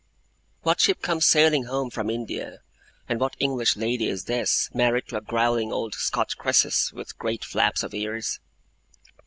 What ship comes sailing home from India, and what English lady is this, married to a growling old Scotch Croesus with great flaps of ears?